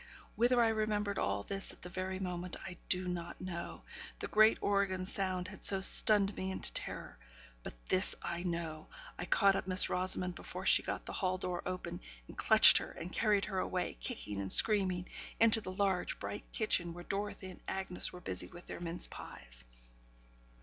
Whether I remembered all this at the very moment, I do not know; the great organ sound had so stunned me into terror; but this I know, I caught up Miss Rosamond before she got the hall door opened, and clutched her, and carried her away, kicking and screaming, into the large, bright kitchen, where Dorothy and Agnes were busy with their mince pies.